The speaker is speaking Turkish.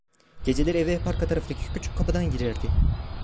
Geceleri eve hep arka taraftaki küçük kapıdan girerdi.